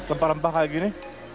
rempah rempah kayak gini